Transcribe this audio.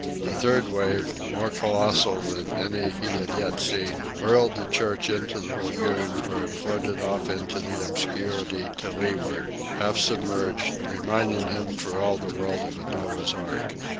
A third wave, more colossal than any he had yet seen, hurled the church into the lagoon, where it floated off into the obscurity to leeward, half submerged, reminding him for all the world of a Noah's ark.